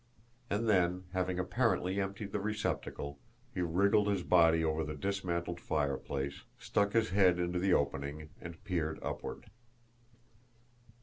And then, having apparently emptied the receptacle, he wriggled his body over the dismantled fireplace, stuck his head into the opening, and peered upward.